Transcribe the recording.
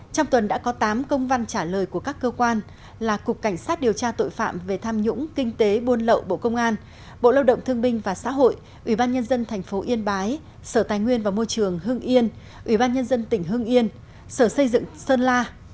trong tuần đã có tám công văn trả lời của các cơ quan là cục cảnh sát điều tra tội phạm về tham nhũng kinh tế buôn lậu bộ công an bộ lao động thương binh và xã hội ủy ban nhân dân tp yên bái sở tài nguyên và môi trường hưng yên ủy ban nhân dân tỉnh hưng yên sở xây dựng sơn la